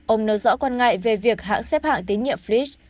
ông nói rõ quan ngại về việc hãng xếp hạng tín nhiệm flitch